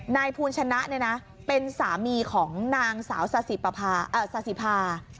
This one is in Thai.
นายภูลชนะเนี่ยนะเป็นสามีของนางสาวซาสิพา